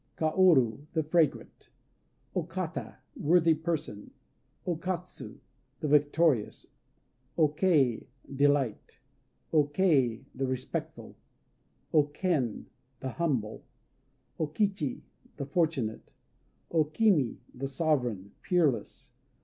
Kaoru "The Fragrant." O Kata "Worthy Person." O Katsu "The Victorious." O Kei "Delight." O Kei "The Respectful." O Ken "The Humble." O Kichi "The Fortunate." O Kimi "The Sovereign," peerless.